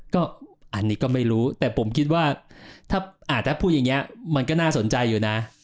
ก็อันนี้ก็ไม่รู้แต่ผมคิดว่าถ้าพูดอย่างนี้มันก็น่าสนใจอยู่นะ